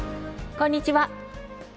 こんにちは。